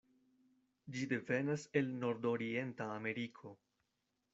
Ĝi devenas el nordorienta Ameriko.